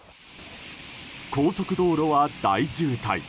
高速道路は大渋滞。